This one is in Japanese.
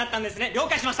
了解しました。